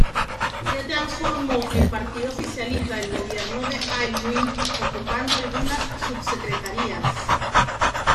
Se transformó en partido oficialista del gobierno de Aylwin, ocupando algunas subsecretarías.